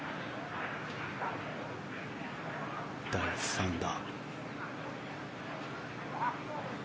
第３打。